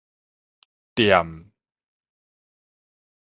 踮